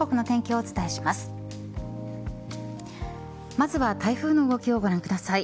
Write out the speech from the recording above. まずは台風の動きをご覧ください。